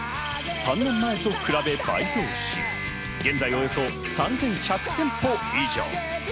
３年前と比べて倍増し、現在およそ３１００店舗以上。